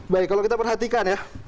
baik kalau kita perhatikan ya